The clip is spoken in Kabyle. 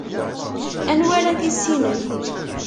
Anwa ara tissinem?